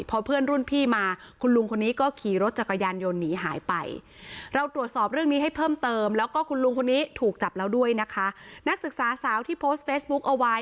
พอเพื่อนรุ่นพี่มาคุณลุงคนนี้ก็ขี่รถจักรยังยนต์หนีหายไป